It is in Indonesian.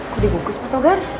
kok dibungkus pak togar